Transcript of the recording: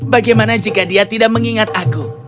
bagaimana jika dia tidak mengingat aku